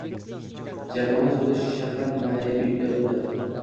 Jamoat sudi shahar madaniyat uyida bo‘ldi.